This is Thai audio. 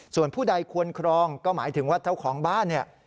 ส่วนผู้ใดควรครองก็หมายถึงว่าเจ้าของบ้านเนี่ย